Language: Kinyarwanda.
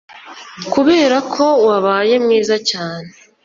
kuberako wabaye mwiza cyane,